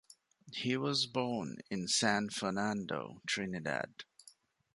He was born in San Fernando, Trinidad.